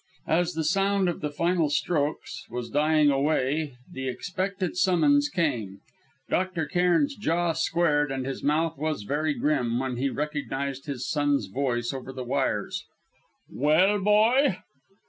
As the sound of the final strokes was dying away the expected summons came. Dr. Cairn's jaw squared and his mouth was very grim, when he recognised his son's voice over the wires. "Well, boy?"